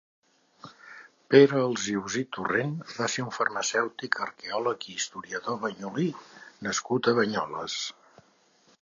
Pere Alsius i Torrent va ser un farmacèutic, arqueòleg i historiador banyolí nascut a Banyoles.